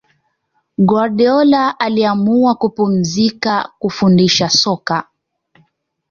guardiola aliamua kupumzika kufundisha soka